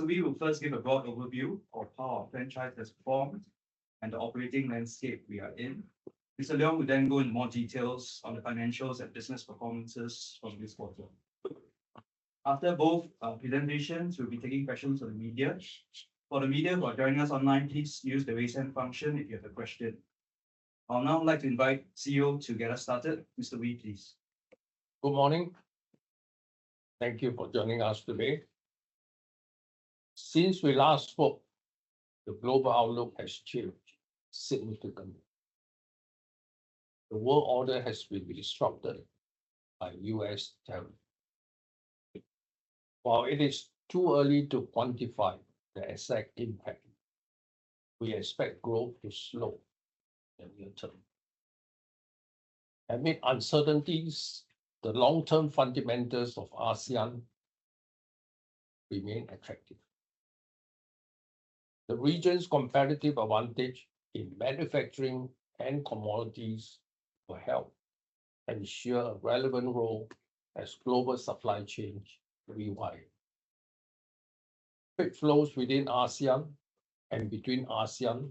We will first give a broad overview of how our franchise has performed and the operating landscape we are in. Mr. Leong will then go into more details on the financials and business performances from this quarter. After both presentations, we'll be taking questions from the media. For the media who are joining us online, please use the raise hand function if you have a question. I would now like to invite CEO to get us started. Mr. Wee, please. Good morning. Thank you for joining us today. Since we last spoke, the global outlook has changed significantly. The world order has been disrupted by U.S. tariffs. While it is too early to quantify the exact impact, we expect growth to slow in the near term. Amid uncertainties, the long-term fundamentals of ASEAN remain attractive. The region's competitive advantage in manufacturing and commodities will help ensure a relevant role as global supply chains rewire. Trade flows within ASEAN and between ASEAN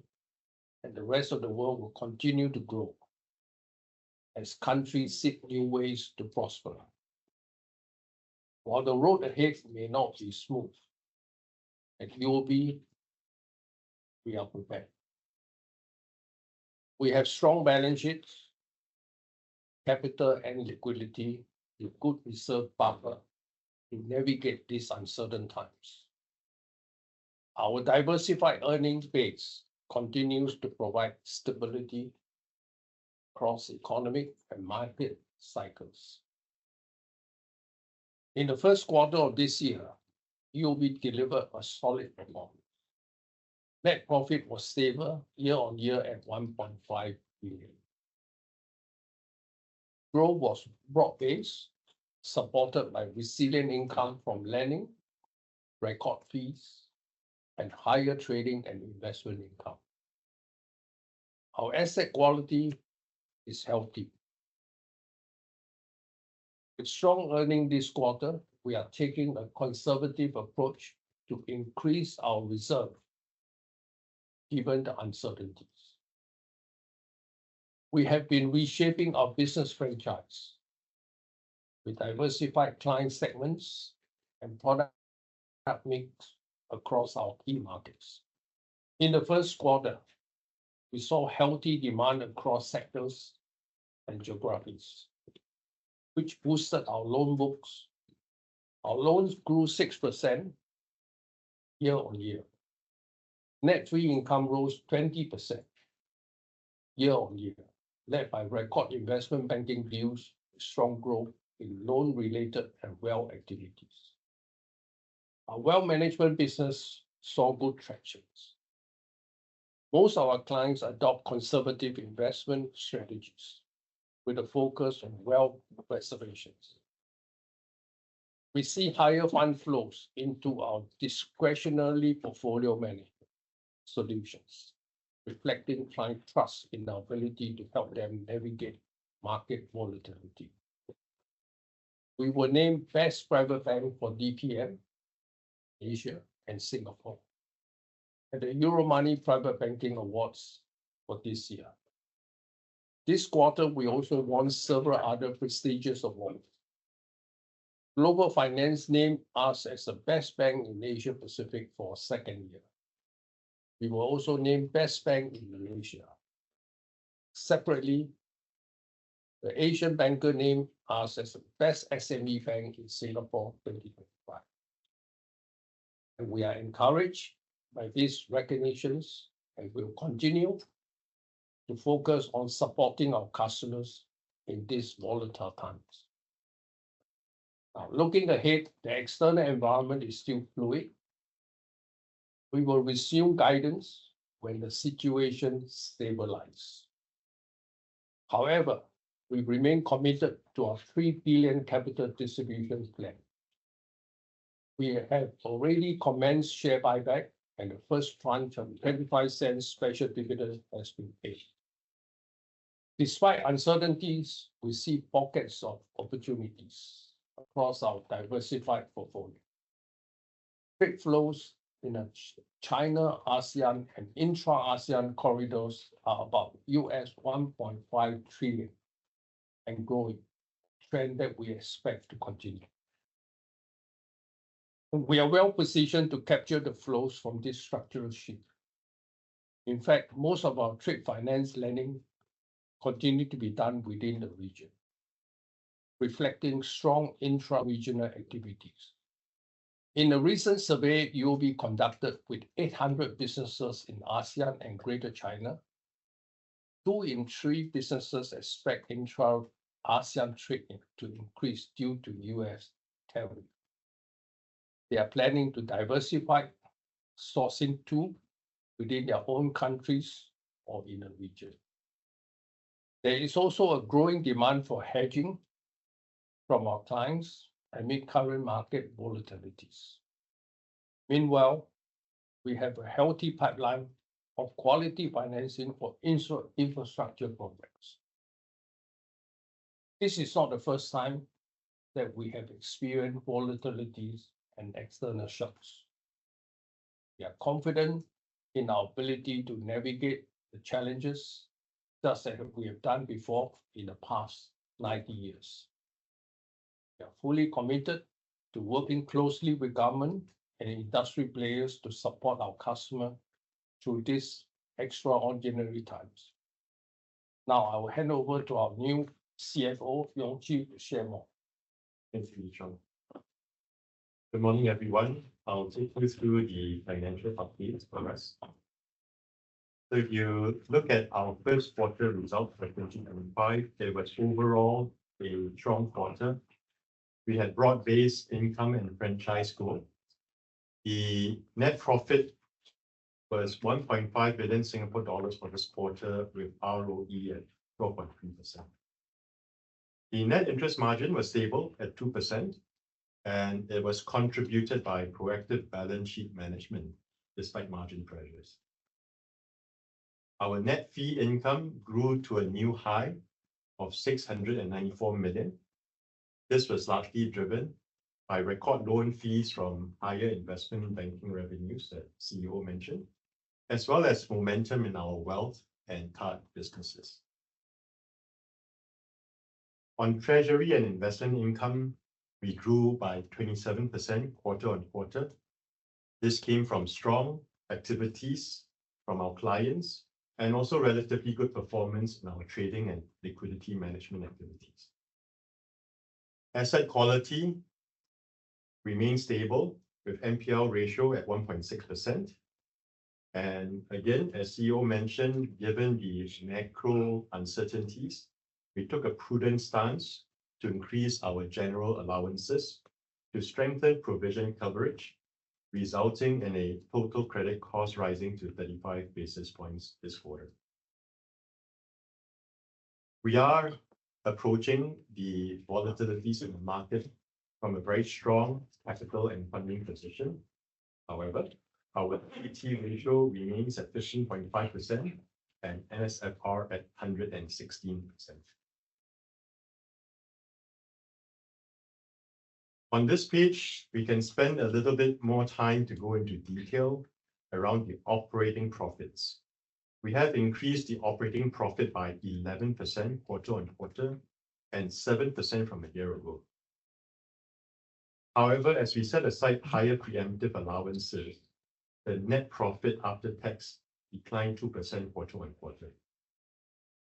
and the rest of the world will continue to grow as countries seek new ways to prosper. While the road ahead may not be smooth, at UOB, we are prepared. We have strong balance sheets, capital, and liquidity with good reserve buffer to navigate these uncertain times. Our diversified earnings base continues to provide stability across economic and market cycles. In the first quarter of this year, UOB delivered a solid performance. Net profit was stable year-on-year at 1.5 billion. Growth was broad-based, supported by resilient income from lending, record fees, and higher trading and investment income. Our asset quality is healthy. With strong earnings this quarter, we are taking a conservative approach to increase our reserve given the uncertainties. We have been reshaping our business franchise with diversified client segments and product mixes across our key markets. In the first quarter, we saw healthy demand across sectors and geographies, which boosted our loan books. Our loans grew 6% year-on-year. Net fee income rose 20% year-on-year, led by record investment banking deals with strong growth in loan-related and wealth activities. Our wealth management business saw good traction. Most of our clients adopt conservative investment strategies with a focus on wealth preservation. We see higher fund flows into our discretionary portfolio management solutions, reflecting client trust in our ability to help them navigate market volatility. We were named Best Private Bank for DPM Asia and Singapore at the Euromoney Private Banking Awards for this year. This quarter, we also won several other prestigious awards. Global Finance named us as the Best Bank in Asia-Pacific for a second year. We were also named Best Bank in Malaysia. Separately, the Asian Banker named us as the Best SME Bank in Singapore 2025. We are encouraged by these recognitions and will continue to focus on supporting our customers in these volatile times. Looking ahead, the external environment is still fluid. We will resume guidance when the situation stabilizes. However, we remain committed to our 3 billion capital distribution plan. We have already commenced share buyback, and the first tranche of $0.25 special dividend has been paid. Despite uncertainties, we see pockets of opportunities across our diversified portfolio. Trade flows in the China-ASEAN and intra-ASEAN corridors are about $1.5 trillion and growing, a trend that we expect to continue. We are well-positioned to capture the flows from this structural shift. In fact, most of our trade finance lending continues to be done within the region, reflecting strong intra-regional activities. In a recent survey UOB conducted with 800 businesses in ASEAN and Greater China, two in three businesses expect intra-ASEAN trade to increase due to U.S. tariffs. They are planning to diversify sourcing tools within their own countries or in the region. There is also a growing demand for hedging from our clients amid current market volatilities. Meanwhile, we have a healthy pipeline of quality financing for infrastructure programs. This is not the first time that we have experienced volatilities and external shocks. We are confident in our ability to navigate the challenges just as we have done before in the past 90 years. We are fully committed to working closely with government and industry players to support our customers through these extraordinary times. Now, I will hand over to our new CFO, Leong Chee, to share more. Thank you, Mr. Cheong. Good morning, everyone. I'll take you through the financial updates for us. If you look at our first quarter results for 2025, there was overall a strong quarter. We had broad-based income and franchise growth. The net profit was 1.5 billion Singapore dollars for this quarter, with ROE at 12.3%. The net interest margin was stable at 2%, and it was contributed by proactive balance sheet management despite margin pressures. Our net fee income grew to a new high of 694 million. This was largely driven by record loan fees from higher investment banking revenues that CEO mentioned, as well as momentum in our wealth and card businesses. On treasury and investment income, we grew by 27% quarter-on-quarter. This came from strong activities from our clients and also relatively good performance in our trading and liquidity management activities. Asset quality remained stable with NPL ratio at 1.6%. As CEO mentioned, given the macro uncertainties, we took a prudent stance to increase our general allowances to strengthen provision coverage, resulting in a total credit cost rising to 35 basis points this quarter. We are approaching the volatilities in the market from a very strong capital and funding position. However, our CET1 ratio remains at 15.5% and NSFR at 116%. On this page, we can spend a little bit more time to go into detail around the operating profits. We have increased the operating profit by 11% quarter-on-quarter and 7% from a year ago. However, as we set aside higher preemptive allowances, the net profit after tax declined 2% quarter-on-quarter,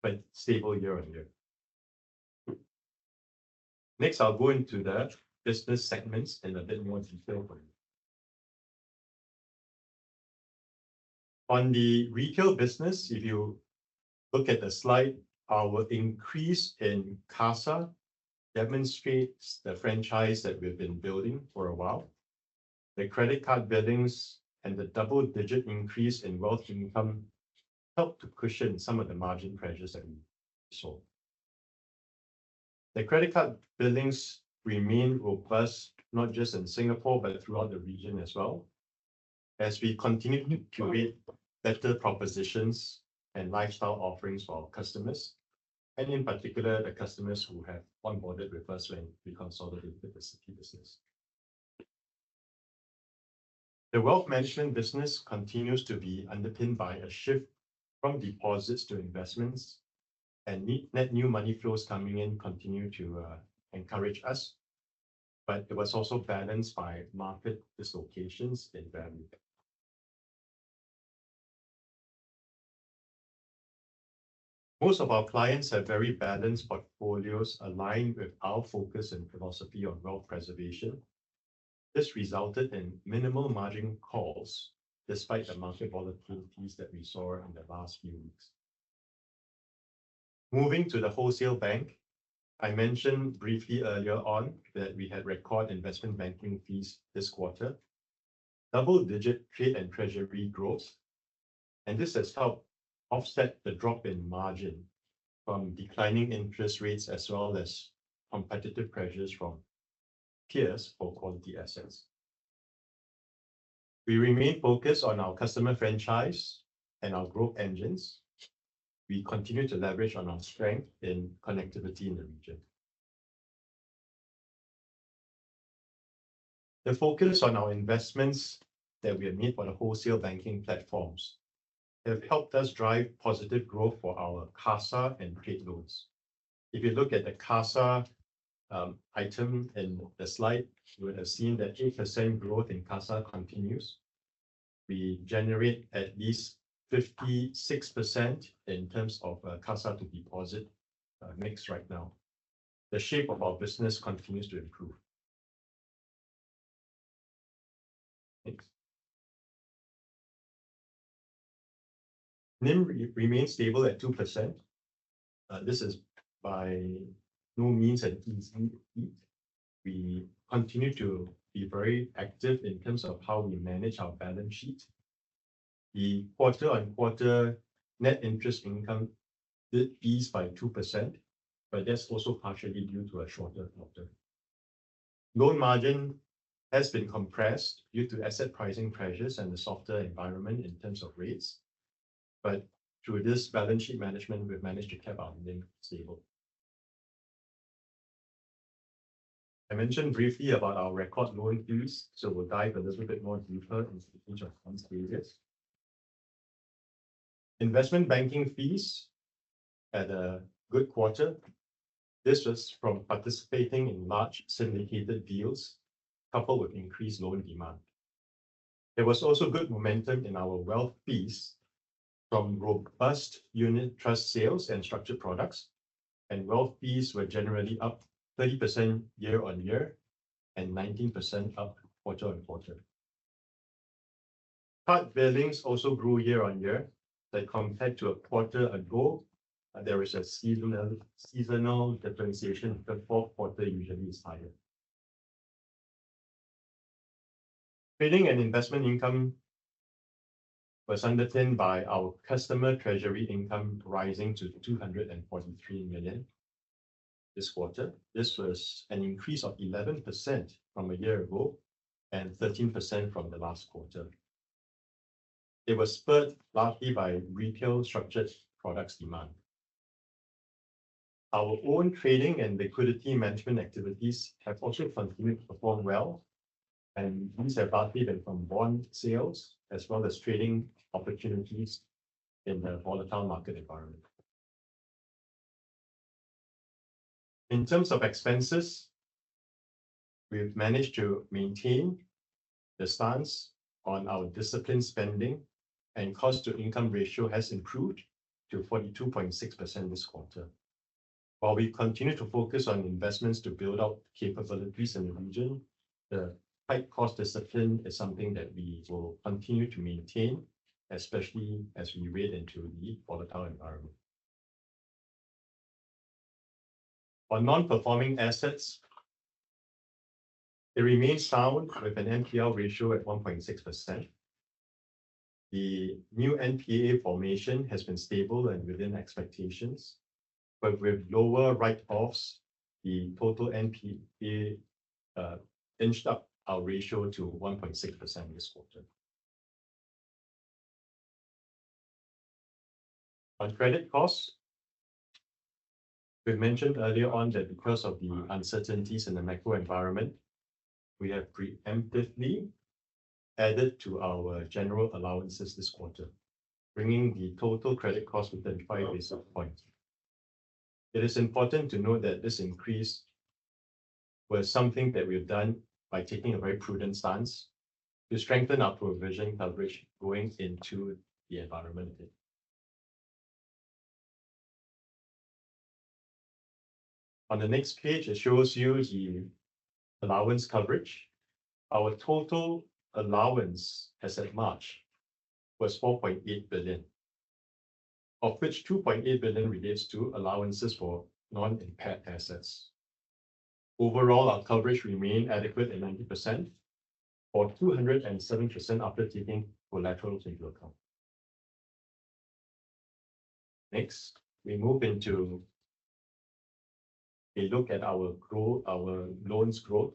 but stable year-on-year. Next, I'll go into the business segments in a bit more detail for you. On the retail business, if you look at the slide, our increase in CASA demonstrates the franchise that we've been building for a while. The credit card billings and the double-digit increase in wealth income helped to cushion some of the margin pressures that we saw. The credit card billings remain robust, not just in Singapore, but throughout the region as well, as we continue to create better propositions and lifestyle offerings for our customers, and in particular, the customers who have onboarded with us when we consolidated the Citi business. The wealth management business continues to be underpinned by a shift from deposits to investments, and net new money flows coming in continue to encourage us, but it was also balanced by market dislocations in value. Most of our clients have very balanced portfolios aligned with our focus and philosophy on wealth preservation. This resulted in minimal margin calls despite the market volatilities that we saw in the last few weeks. Moving to the wholesale bank, I mentioned briefly earlier on that we had record investment banking fees this quarter, double-digit trade and treasury growth, and this has helped offset the drop in margin from declining interest rates as well as competitive pressures from peers for quality assets. We remain focused on our customer franchise and our growth engines. We continue to leverage on our strength in connectivity in the region. The focus on our investments that we have made for the wholesale banking platforms has helped us drive positive growth for our CASA and trade loans. If you look at the CASA item in the slide, you will have seen that 8% growth in CASA continues. We generate at least 56% in terms of CASA to deposit mix right now. The shape of our business continues to improve. NIM remains stable at 2%. This is by no means an easy feat. We continue to be very active in terms of how we manage our balance sheet. The quarter-on-quarter net interest income did ease by 2%, but that's also partially due to a shorter quarter. Loan margin has been compressed due to asset pricing pressures and a softer environment in terms of rates, but through this balance sheet management, we've managed to keep our NIM stable. I mentioned briefly about our record loan fees, so we'll dive a little bit more deeper into each of those stages. Investment banking fees had a good quarter. This was from participating in large syndicated deals, coupled with increased loan demand. There was also good momentum in our wealth fees from robust unit trust sales and structured products, and wealth fees were generally up 30% year-on-year and 19% up quarter-on-quarter. Card billings also grew year-on-year, but compared to a quarter ago, there was a seasonal differentiation. The fourth quarter usually is higher. Trading and investment income was underpinned by our customer treasury income rising to 243 million this quarter. This was an increase of 11% from a year ago and 13% from the last quarter. It was spurred largely by retail structured products demand. Our own trading and liquidity management activities have also continued to perform well, and these have largely been from bond sales as well as trading opportunities in the volatile market environment. In terms of expenses, we've managed to maintain the stance on our disciplined spending, and cost-to-income ratio has improved to 42.6% this quarter. While we continue to focus on investments to build up capabilities in the region, the tight cost discipline is something that we will continue to maintain, especially as we wait into the volatile environment. On non-performing assets, it remains sound with an NPA ratio at 1.6%. The new NPA formation has been stable and within expectations, but with lower write-offs, the total NPA inched up our ratio to 1.6% this quarter. On credit costs, we mentioned earlier on that because of the uncertainties in the macro environment, we have preemptively added to our general allowances this quarter, bringing the total credit cost within 5 basis points. It is important to note that this increase was something that we have done by taking a very prudent stance to strengthen our provision coverage going into the environment. On the next page, it shows you the allowance coverage. Our total allowance as of March was 4.8 billion, of which 2.8 billion relates to allowances for non-impaired assets. Overall, our coverage remained adequate at 90% or 207% after taking collateral into account. Next, we move into a look at our loans growth.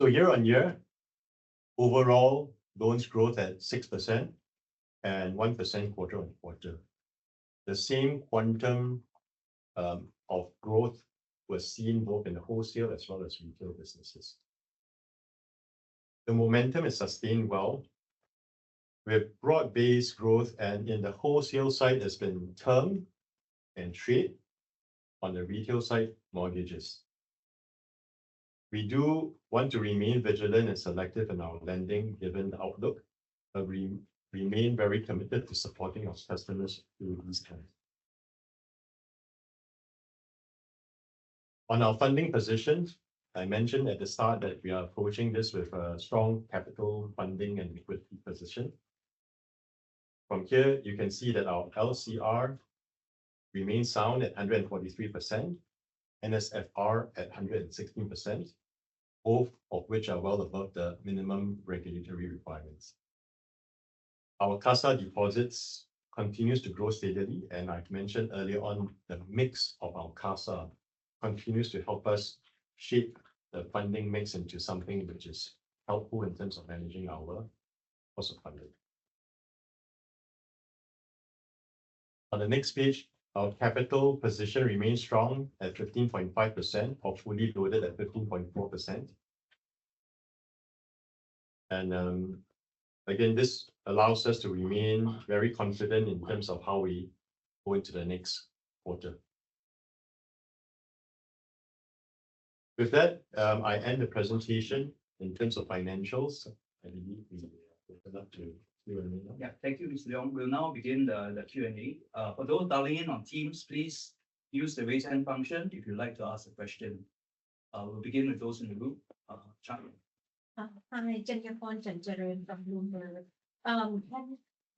Year-on-year, overall loans growth at 6% and 1% quarter-on-quarter. The same quantum of growth was seen both in the wholesale as well as retail businesses. The momentum is sustained well with broad-based growth, and in the wholesale side, there's been term and trade, on the retail side mortgages. We do want to remain vigilant and selective in our lending given the outlook, but we remain very committed to supporting our customers through these terms. On our funding positions, I mentioned at the start that we are approaching this with a strong capital, funding, and liquidity position. From here, you can see that our LCR remains sound at 143%, NSFR at 116%, both of which are well above the minimum regulatory requirements. Our CASA deposits continue to grow steadily, and I mentioned earlier on the mix of our CASA continues to help us shape the funding mix into something which is helpful in terms of managing our cost of funding. On the next page, our capital position remains strong at 15.5%, hopefully loaded at 15.4%. This allows us to remain very confident in terms of how we go into the next quarter. With that, I end the presentation. In terms of financials, I believe we open up to Q&A. Yeah, thank you, Mr. Leong. We'll now begin the Q&A. For those dialing in on Teams, please use the raise hand function if you'd like to ask a question. We'll begin with those in the room. Hi, Chen-Jung Yeh from Bloomberg.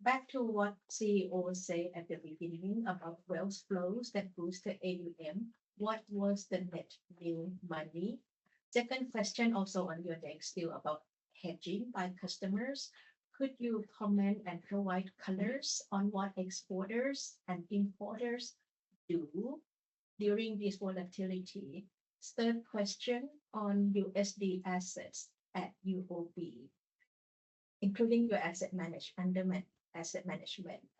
Back to what CEO said at the beginning about wealth flows that boosted AUM, what was the net new money? Second question also on your deck still about hedging by customers. Could you comment and provide colors on what exporters and importers do during this volatility? Third question on USD assets at UOB, including your asset management,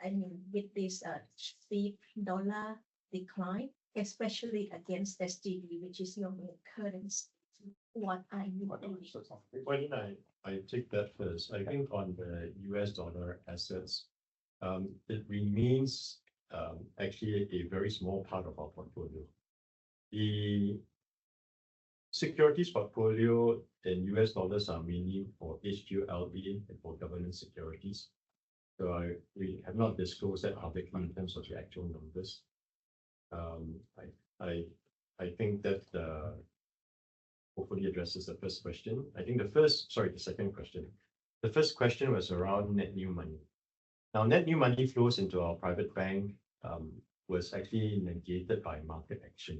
I mean, with this steep dollar decline, especially against SGD, which is your main currency. What are you? Why don't I take that first? I think on the U.S. dollar assets, it remains actually a very small part of our portfolio. The securities portfolio in U.S. dollars are mainly for HQLA and for government securities. We have not disclosed that publicly in terms of the actual numbers. I think that hopefully addresses the first question. The first, sorry, the second question. The first question was around net new money. Now, net new money flows into our private bank was actually negated by market action.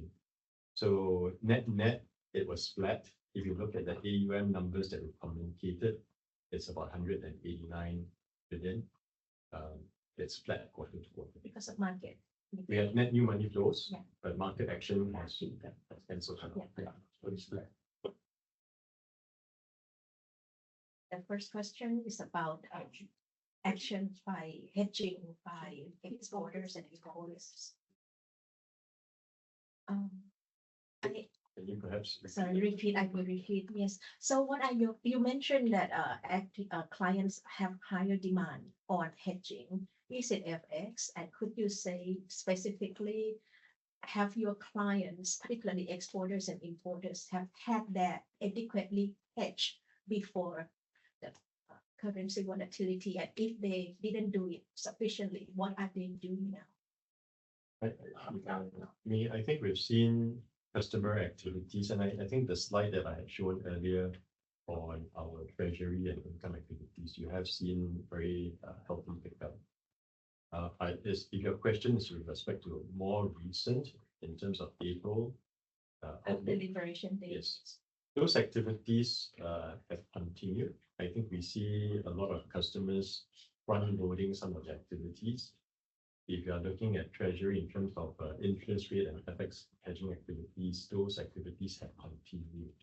Net net, it was flat. If you look at the AUM numbers that were communicated, it's about $189 billion. It's flat quarter-to-quarter. Because of market. We had net new money flows, but market action was canceled out. Yeah, so it's flat. The first question is about action by hedging by exporters and importers. Can you perhaps? Sorry, repeat. I will repeat. Yes. What are your, you mentioned that clients have higher demand on hedging. Is it FX? Could you say specifically, have your clients, particularly exporters and importers, had that adequately hedged before the currency volatility? If they did not do it sufficiently, what are they doing now? I think we've seen customer activities, and I think the slide that I had shown earlier on our treasury and income activities, you have seen very healthy pickup. If your question is with respect to more recent in terms of April. Of deliberation dates. Yes. Those activities have continued. I think we see a lot of customers front-loading some of the activities. If you are looking at treasury in terms of interest rate and FX hedging activities, those activities have continued.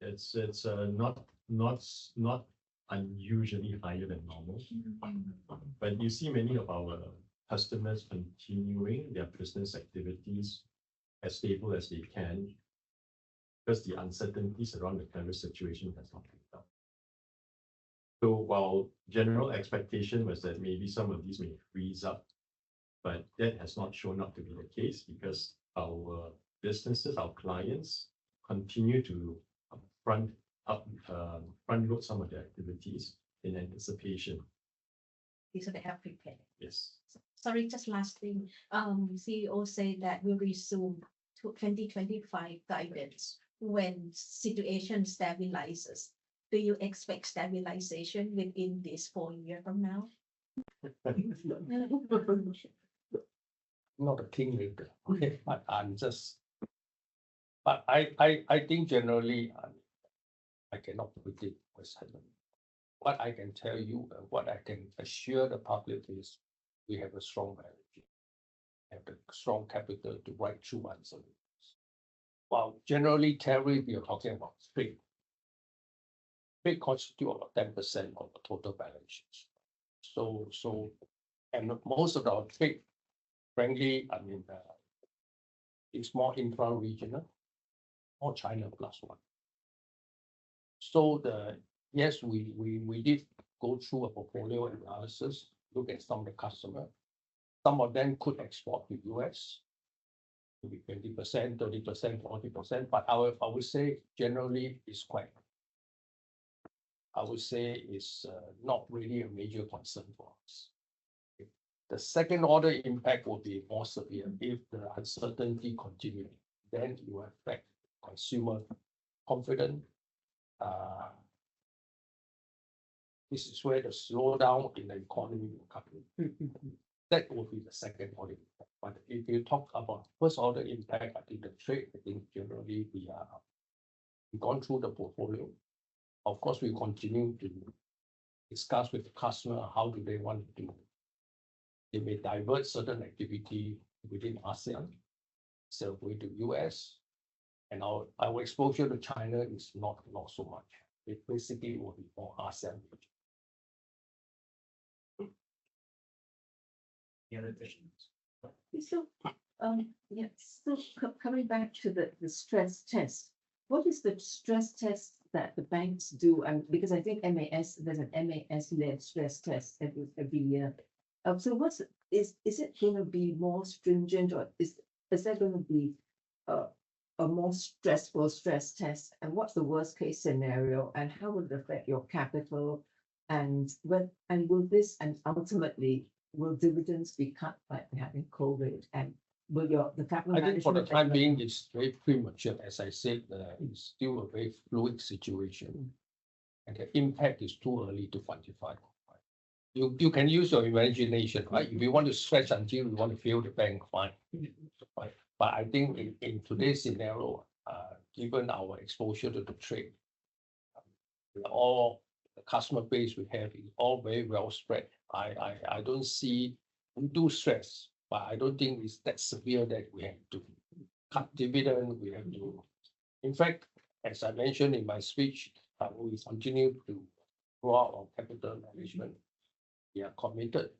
It is not unusually higher than normal, but you see many of our customers continuing their business activities as stable as they can because the uncertainties around the current situation have not picked up. While general expectation was that maybe some of these may freeze up, that has not shown up to be the case because our businesses, our clients continue to front-load some of their activities in anticipation. These are the healthy pair. Yes. Sorry, just last thing. CEO said that we'll resume 2025 guidance when situation stabilizes. Do you expect stabilization within this four years from now? Not a king later. I'm just, but I think generally I cannot predict what's happening. What I can tell you and what I can assure the public is we have a strong balance sheet. We have the strong capital to write true answers. Generally, we are talking about trade. Trade constitutes about 10% of the total balance sheet. Most of our trade, frankly, I mean, it's more intra-regional, more China plus one. Yes, we did go through a portfolio analysis, look at some of the customers. Some of them could export to the U.S., maybe 20%, 30%, 40%. I would say generally it's quite, I would say it's not really a major concern for us. The second order impact will be more severe if the uncertainty continues. It will affect consumer confidence. This is where the slowdown in the economy will come. That will be the second order impact. If you talk about first order impact, I think the trade, I think generally we have gone through the portfolio. Of course, we continue to discuss with the customer how do they want to do. They may divert certain activity within ASEAN, self-weight to U.S. Our exposure to China is not so much. It basically will be more ASEAN. Coming back to the stress test, what is the stress test that the banks do? I think MAS, there is an MAS-led stress test every year. Is it going to be more stringent or is there going to be a more stressful stress test? What is the worst-case scenario? How will it affect your capital? Will this, and ultimately, will dividends be cut by having COVID? Will the capital? For the time being, it's very premature. As I said, it's still a very fluid situation. The impact is too early to quantify. You can use your imagination. If you want to stretch until you want to fill the bank, fine. I think in today's scenario, given our exposure to the trade, all the customer base we have is all very well spread. I don't see we do stress, I don't think it's that severe that we have to cut dividends. In fact, as I mentioned in my speech, we continue to grow our capital management. We are committed.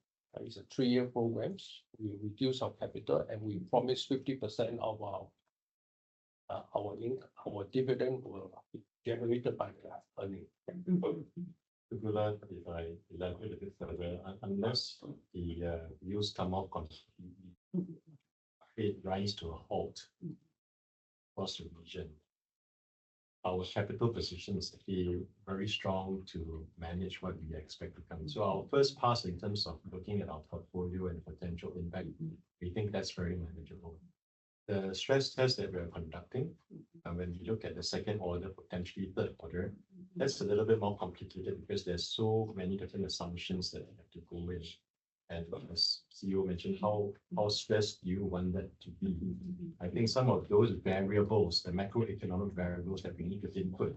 It's a three-year program. We reduce our capital and we promise 50% of our dividend will be generated by the earning. Regular dividend, unless the yields come out, it runs to a halt across the region. Our capital position is actually very strong to manage what we expect to come. Our first pass in terms of looking at our portfolio and potential impact, we think that's very manageable. The stress test that we are conducting, when we look at the second order, potentially third order, that's a little bit more complicated because there are so many different assumptions that have to go in. As CEO mentioned, how stressed do you want that to be? I think some of those variables, the macroeconomic variables that we need to input,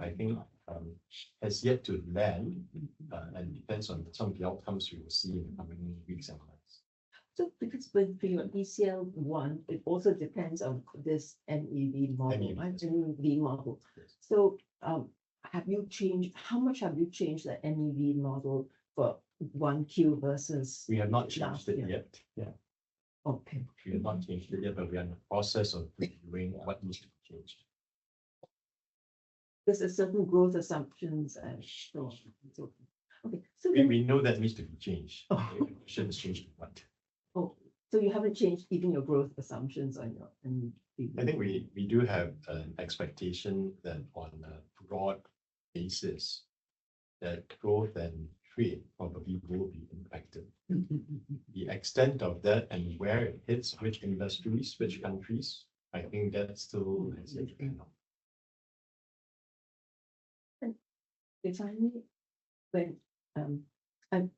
I think has yet to land and depends on some of the outcomes we will see in the coming weeks and months. If you could explain for you, ECL1, it also depends on this MEV model, MEV model. Have you changed, how much have you changed the MEV model for 1Q versus? We have not changed it yet. Yeah. Okay. We have not changed it yet, but we are in the process of reviewing what needs to be changed. There's a certain growth assumptions. We know that needs to be changed. We shouldn't change too much. You haven't changed even your growth assumptions on your MEV? I think we do have an expectation that on a broad basis, that growth and trade probably will be impacted. The extent of that and where it hits, which industries, which countries, I think that still hasn't changed.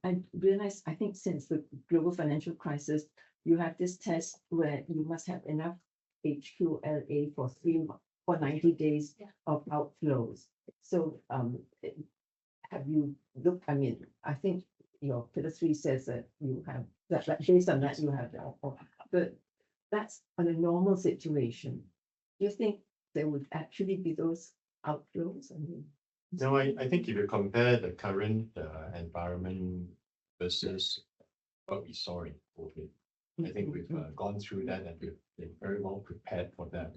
I realize I think since the global financial crisis, you have this test where you must have enough HQLA for 90 days of outflows. Have you looked, I mean, I think your pillars three says that you have, based on that, you have that. That is a normal situation. Do you think there would actually be those outflows? No, I think if you compare the current environment versus what we saw in COVID, I think we've gone through that and we've been very well prepared for that.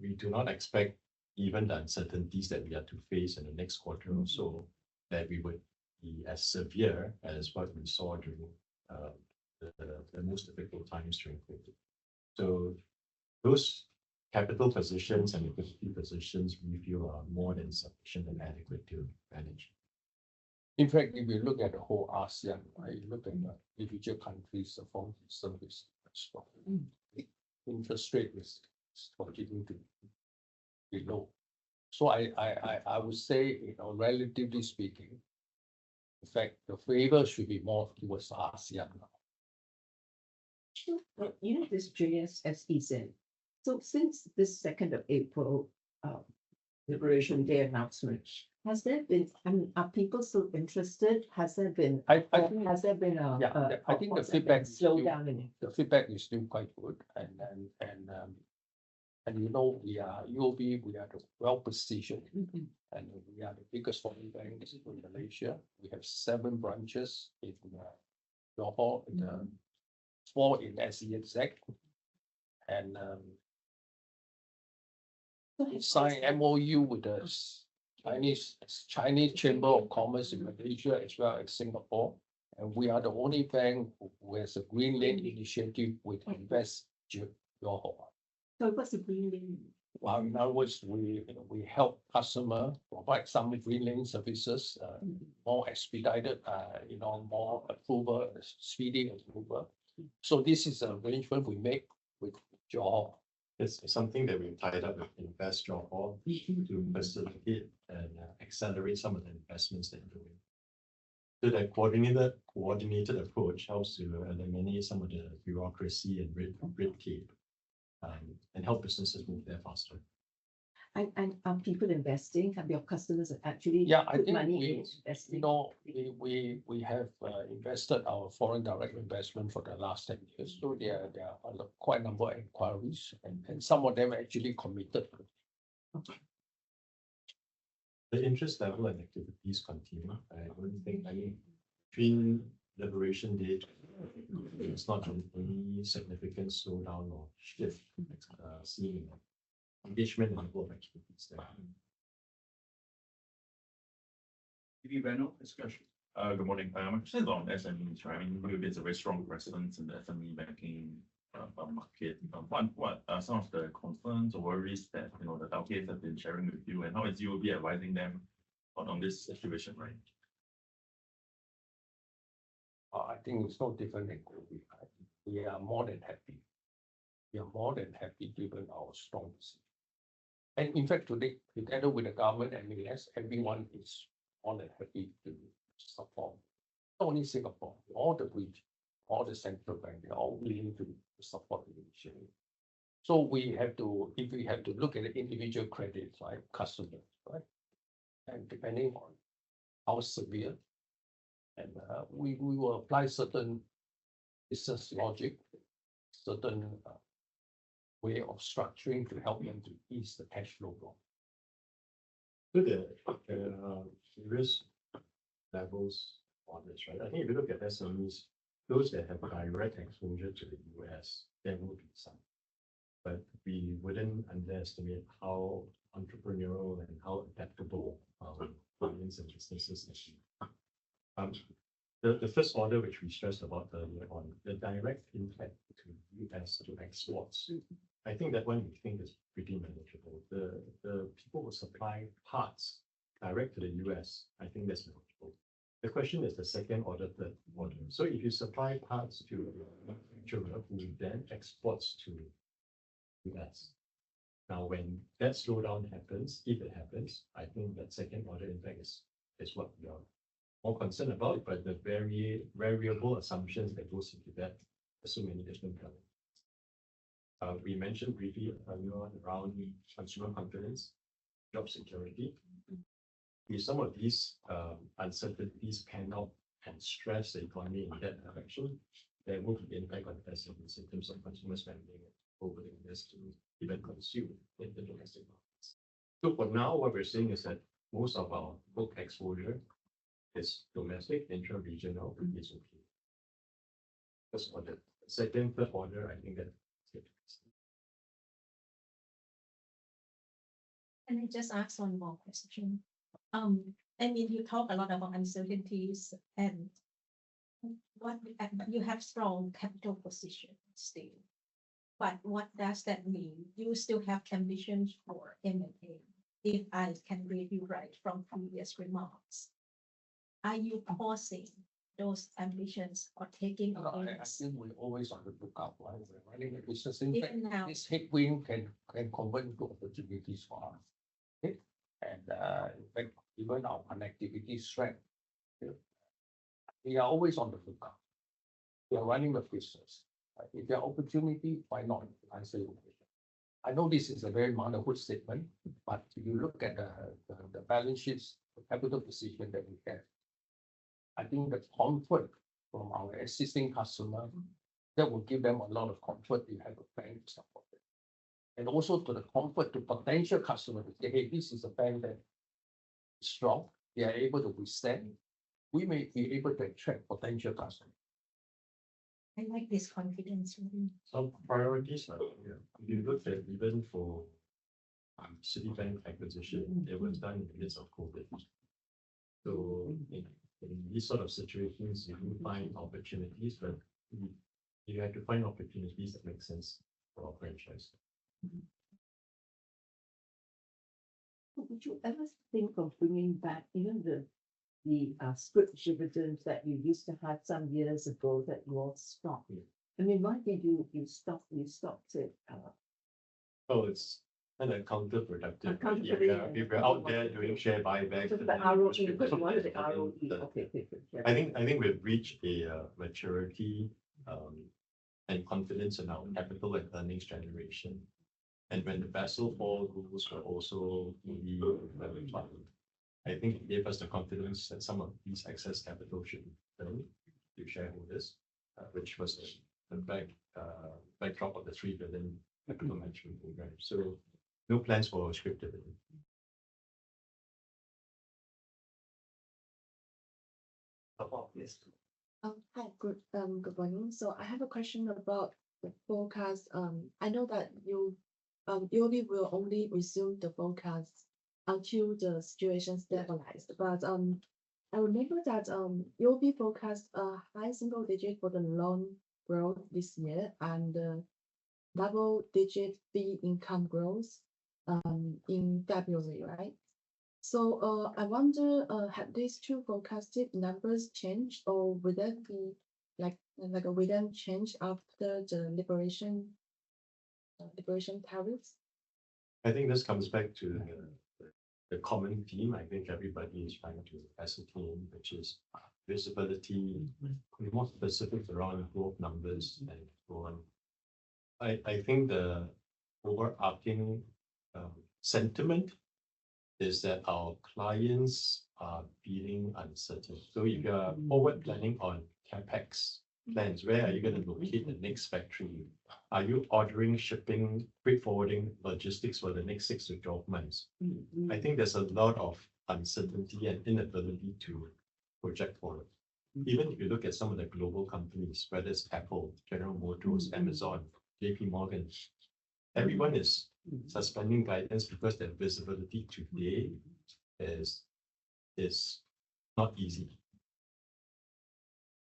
We do not expect even the uncertainties that we have to face in the next quarter or so that we would be as severe as what we saw during the most difficult times during COVID. Those capital positions and liquidity positions we feel are more than sufficient and adequate to manage. In fact, if you look at the whole ASEAN, you look at the individual countries' performance and service as well, interest rate risk is continuing to be low. I would say, relatively speaking, in fact, the favor should be more towards ASEAN now. You know this joyous as easy. Since this 2nd of April Liberation Day announcement, has there been, are people still interested? Has there been a slowdown in it? I think the feedback is still quite good. You know we are UOB, we are well-positioned and we are the biggest foreign bank in Malaysia. We have seven branches in Johor, four in SEZ. We signed MOU with the Chinese Chamber of Commerce in Malaysia as well as Singapore. We are the only bank who has a green lane initiative with Invest Johor. What's the green lane? In other words, we help customers provide some green lane services, more expedited, more approval, speedy approval. This is an arrangement we make with Johor. It's something that we've tied up with Invest Johor to facilitate and accelerate some of the investments they're doing. That coordinated approach helps to eliminate some of the bureaucracy and red tape and help businesses move there faster. Are people investing? Are your customers actually putting money into investing? Yeah, we have invested our foreign direct investment for the last 10 years. There are quite a number of inquiries and some of them actually committed. Okay. The interest level and activities continue. I don't think any between liberation date, it's not any significant slowdown or shift seen in engagement and level of activities there. Good morning. I'm interested on SMEs. I mean, you have a very strong presence in the SME banking market. What are some of the concerns or worries that the Dowcase have been sharing with you? How is UOB advising them on this situation? I think it's no different than UOB. We are more than happy. We are more than happy given our strong position. In fact, today, together with the government and the U.S., everyone is more than happy to support. Not only Singapore, all the region, all the central banks, they are all willing to support the initiative. If we have to look at individual credits, right, customers, right, and depending on how severe, we will apply certain business logic, certain way of structuring to help them to ease the cash flow. The various levels on this, right? I think if you look at SMEs, those that have direct exposure to the U.S., there will be some. We wouldn't underestimate how entrepreneurial and how adaptable clients and businesses are. The first order, which we stressed about earlier on, the direct impact to U.S. exports, I think that one we think is pretty manageable. The people who supply parts direct to the U.S., I think that's manageable. The question is the second order, third order. If you supply parts to a manufacturer who then exports to the U.S., now when that slowdown happens, if it happens, I think that second order impact is what we are more concerned about. The variable assumptions that goes into that, there's so many different elements. We mentioned briefly earlier on around consumer confidence, job security. If some of these uncertainties pan out and stress the economy in that direction, there will be impact on SMEs in terms of consumer spending over the years to even consume in the domestic markets. For now, what we're seeing is that most of our book exposure is domestic, intra-regional is okay. That's order. Second, third order, I think that. Can I just ask one more question? I mean, you talk a lot about uncertainties and you have strong capital position still. What does that mean? You still have ambitions for M&A. If I can read you right from previous remarks, are you pausing those ambitions or taking away? I think we're always on the lookout, right? We're running a business. Even now. This headwind can convert into opportunities for us. In fact, given our connectivity strength, we are always on the lookout. We are running a business. If there are opportunities, why not? I say, I know this is a very motherhood statement, but if you look at the balance sheets, the capital position that we have, I think the comfort from our existing customers, that will give them a lot of comfort to have a bank to support them. Also to the comfort to potential customers to say, hey, this is a bank that is strong. They are able to withstand. We may be able to attract potential customers. I like this confidence. Some priorities, if you look at even for Citibank acquisition, it was done in the midst of COVID. In these sort of situations, you do find opportunities, but you have to find opportunities that make sense for our franchise. Would you ever think of bringing back even the split dividends that you used to have some years ago that you all stopped? I mean, why did you stop it? Oh, it's kind of counterproductive. Counterproductive. If we're out there doing share buybacks. What is the ROE? I think we've reached a maturity and confidence in our capital and earnings generation. When the vessel falls, we will also be very fine. I think it gave us the confidence that some of these excess capital should be returned to shareholders, which was the backdrop of the 3 billion capital management program. No plans for a scripted dividend. Hi, good morning. I have a question about the forecast. I know that UOB will only resume the forecast until the situation stabilizes. I remember that UOB forecast a high single digit for the loan growth this year and double digit fee income growth in February, right? I wonder, have these two forecasted numbers changed or would that be like a rhythm change after the liberation tariffs? I think this comes back to the common theme. I think everybody is trying to ascertain, which is visibility, more specifics around growth numbers and so on. I think the overarching sentiment is that our clients are feeling uncertain. If you are forward planning on CapEx plans, where are you going to locate the next factory? Are you ordering, shipping, freight forwarding, logistics for the next six to twelve months? I think there is a lot of uncertainty and inability to project forward. Even if you look at some of the global companies, whether it is Apple, General Motors, Amazon, JP Morgan, everyone is suspending guidance because their visibility today is not easy.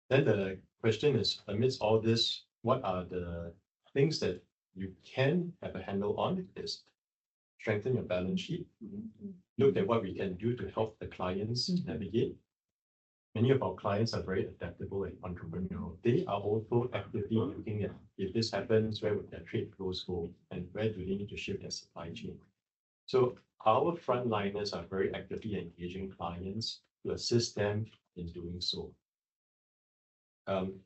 The question is, amidst all this, what are the things that you can have a handle on? It is strengthen your balance sheet, look at what we can do to help the clients navigate. Many of our clients are very adaptable and entrepreneurial. They are also actively looking at, if this happens, where would their trade flows go and where do they need to shift their supply chain? Our frontliners are very actively engaging clients to assist them in doing so.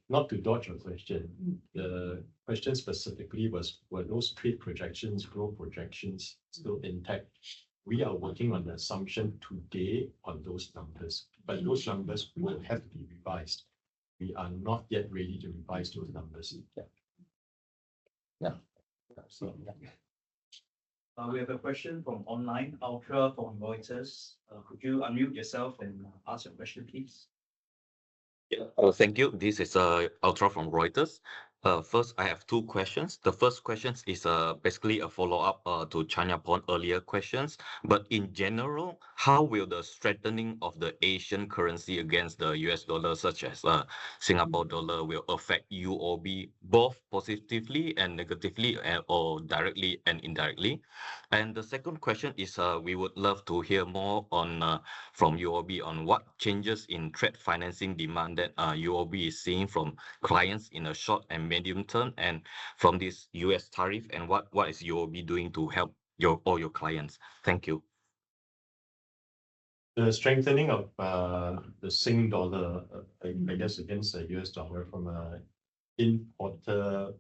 Not to dodge your question, the question specifically was, were those trade projections, growth projections still intact? We are working on the assumption today on those numbers. Those numbers will have to be revised. We are not yet ready to revise those numbers yet. Yeah. We have a question from online, Altra from Reuters. Could you unmute yourself and ask your question, please? Yeah. Thank you. This is Altra from Reuters. First, I have two questions. The first question is basically a follow-up to Chania Pong's earlier questions. In general, how will the strengthening of the Asian currency against the U.S. dollar, such as Singapore dollar, affect UOB both positively and negatively or directly and indirectly? The second question is we would love to hear more from UOB on what changes in trade financing demand that UOB is seeing from clients in the short and medium term and from this U.S. tariff, and what is UOB doing to help all your clients? Thank you. The strengthening of the Sing dollar, I guess, against the U.S. dollar from an importer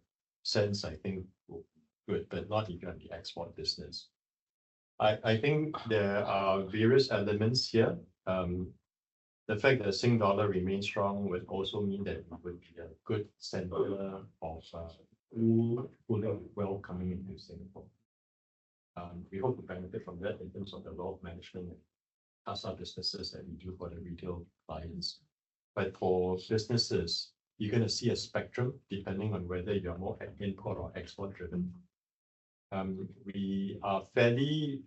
sense, I think, would be good, but not if you're in the export business. I think there are various elements here. The fact that the Sing dollar remains strong would also mean that we would be a good center of who will be welcoming into Singapore. We hope to benefit from that in terms of the loan management and other businesses that we do for the retail clients. For businesses, you're going to see a spectrum depending on whether you are more import or export-driven. We are fairly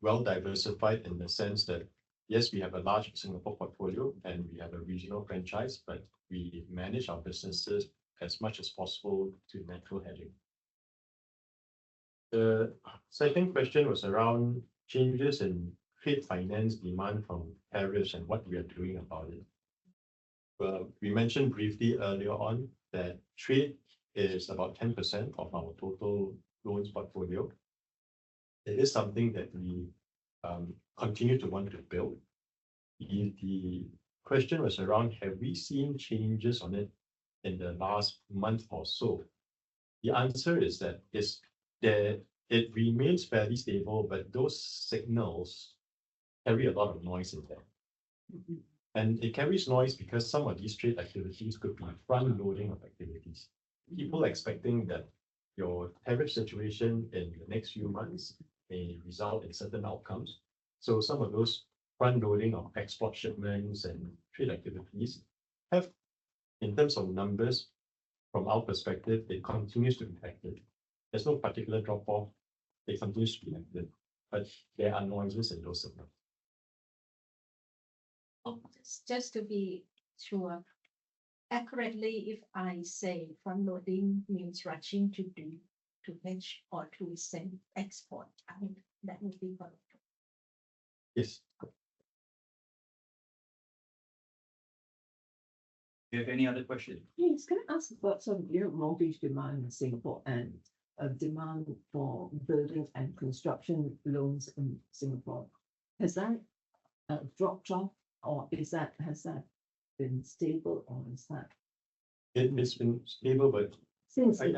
well-diversified in the sense that, yes, we have a large Singapore portfolio and we have a regional franchise, but we manage our businesses as much as possible to natural heading. The second question was around changes in trade finance demand from tariffs and what we are doing about it. We mentioned briefly earlier on that trade is about 10% of our total loans portfolio. It is something that we continue to want to build. The question was around, have we seen changes on it in the last month or so? The answer is that it remains fairly stable, but those signals carry a lot of noise in there. It carries noise because some of these trade activities could be front-loading of activities. People are expecting that your tariff situation in the next few months may result in certain outcomes. Some of those front-loading of export shipments and trade activities have, in terms of numbers, from our perspective, it continues to be active. There is no particular drop-off. They continue to be active. There are noises in those signals. Just to be sure, accurately, if I say front-loading means rushing to do to hedge or to send export out, that would be correct? Yes. Do you have any other questions? Yeah, I was going to ask about some real mortgage demand in Singapore and demand for building and construction loans in Singapore. Has that dropped off or has that been stable or has that? It's been stable. Since the invasion day, she just stopped buying property. I think you have to look at the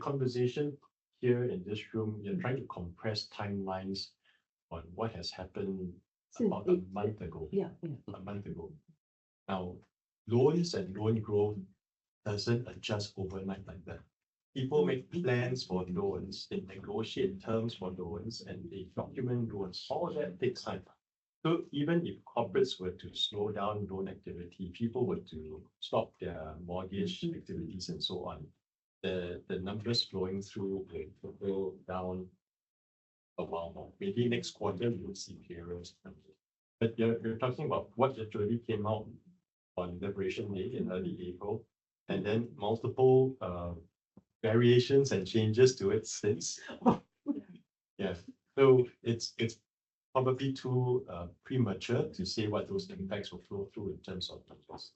conversation here in this room. You're trying to compress timelines on what has happened about a month ago. Now, loans and loan growth doesn't adjust overnight like that. People make plans for loans and negotiate terms for loans, and they document loans. All that takes time. Even if corporates were to slow down loan activity, people were to stop their mortgage activities and so on, the numbers flowing through will go down a while more. Maybe next quarter, we will see clearer numbers. You're talking about what literally came out on Liberation Day in early April, and then multiple variations and changes to it since. Yeah. It's probably too premature to say what those impacts will flow through in terms of numbers.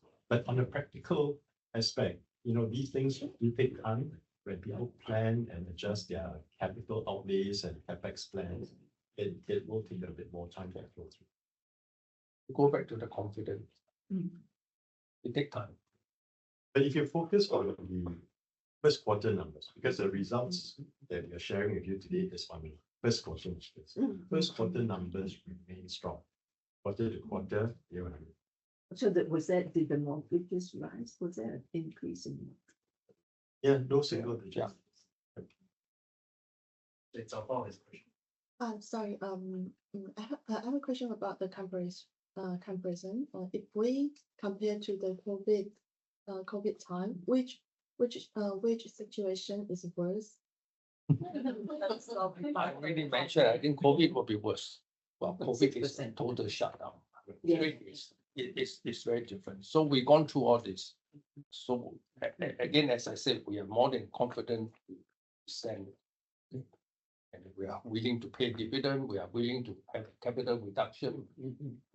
On a practical aspect, you know these things do take time when people plan and adjust their capital outlays and CapEx plans. It will take a bit more time to flow through. Go back to the confidence. It takes time. If you focus on the first quarter numbers, because the results that we are sharing with you today is from the first quarter numbers. First quarter numbers remain strong. Quarter-to-quarter, they were higher. Did the mortgages rise? Was there an increase in mortgages? Yeah, no single digits. It's a follow-up question. Sorry. I have a question about the comparison. If we compare to the COVID time, which situation is worse? I already mentioned, I think COVID will be worse. COVID is a total shutdown. It's very different. We've gone through all this. As I said, we are more than confident to send. We are willing to pay dividend. We are willing to have a capital reduction.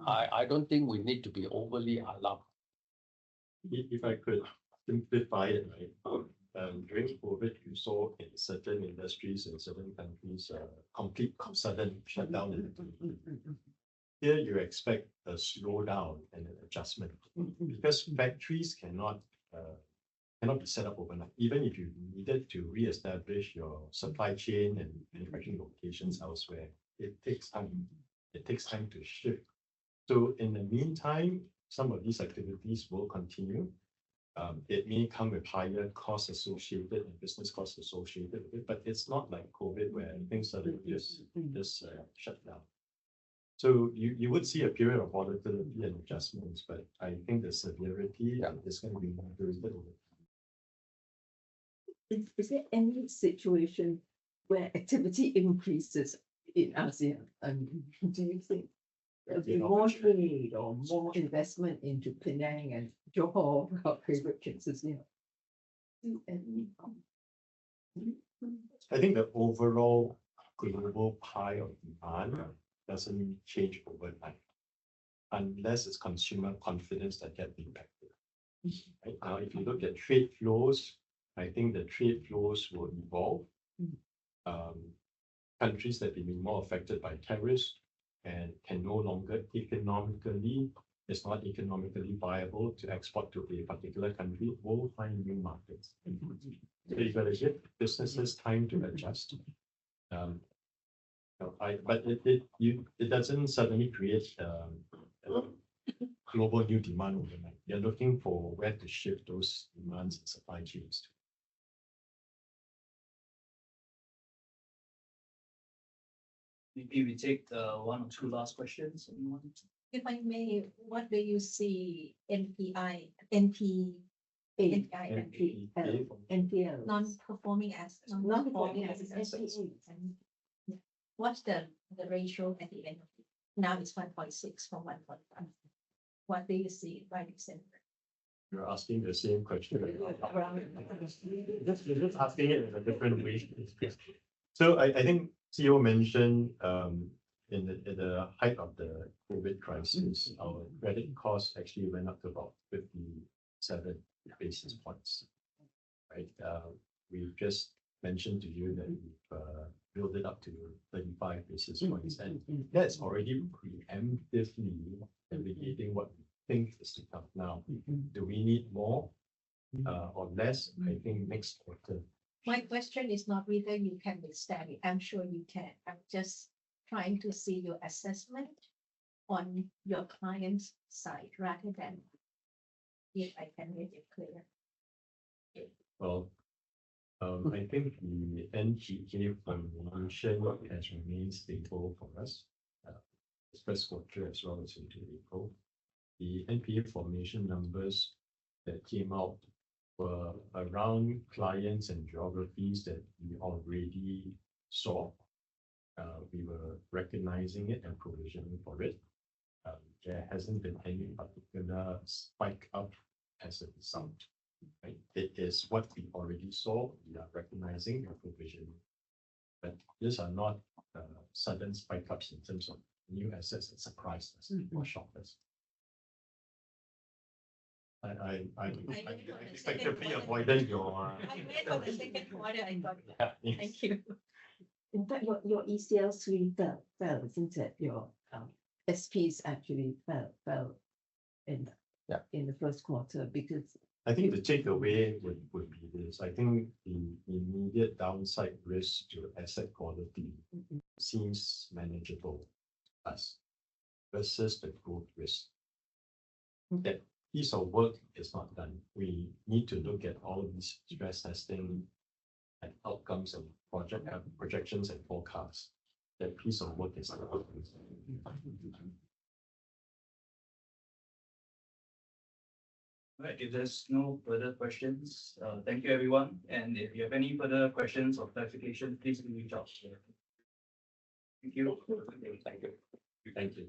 I don't think we need to be overly alarmed. If I could simplify it, during COVID, you saw in certain industries in certain countries a complete sudden shutdown. Here, you expect a slowdown and an adjustment because factories cannot be set up overnight. Even if you needed to reestablish your supply chain and manufacturing locations elsewhere, it takes time to shift. In the meantime, some of these activities will continue. It may come with higher costs associated and business costs associated with it, but it is not like COVID where everything suddenly just shut down. You would see a period of volatility and adjustments, but I think the severity is going to be moderated over time. Is there any situation where activity increases in ASEAN? Do you think there'll be more trade or more investment into Penang and Johor, our favorite consumer? I think the overall global pie of demand doesn't change overnight unless it's consumer confidence that gets impacted. Now, if you look at trade flows, I think the trade flows will evolve. Countries that have been more affected by tariffs and can no longer economically, it's not economically viable to export to a particular country, will find new markets. You are going to give businesses time to adjust. It doesn't suddenly create a global new demand overnight. You are looking for where to shift those demands and supply chains to. Maybe we take one or two last questions. If I may, what do you see NPL, NPA? NPA. Non-performing as. Non-performing as NPA. What's the ratio at the end of it? Now it's 5.6 for 1.5. What do you see? You're asking the same question. Just asking it in a different way. I think CEO mentioned in the height of the COVID crisis, our credit costs actually went up to about 57 basis points. We just mentioned to you that we've built it up to 35 basis points. That's already preemptively indicating what we think is to come now. Do we need more or less? I think next quarter. My question is not whether you can withstand it. I'm sure you can. I'm just trying to see your assessment on your client's side rather than if I can make it clear. I think the NPA formation has remained stable for us. The first quarter as well as into April. The NPA formation numbers that came out were around clients and geographies that we already saw. We were recognizing it and provisioning for it. There has not been any particular spike up as a result. It is what we already saw. We are recognizing and provisioning. These are not sudden spike ups in terms of new assets that surprised us or shocked us. I expect to be avoiding you. Thank you. In fact, your ECL suite fell, isn't it? Your SPs actually fell in the first quarter because. I think the takeaway would be this. I think the immediate downside risk to asset quality seems manageable to us versus the growth risk. That piece of work is not done. We need to look at all these stress testing and outcomes of projections and forecasts. That piece of work is not done. All right. If there's no further questions, thank you, everyone. If you have any further questions or clarifications, please do reach out. Thank you. Thank you.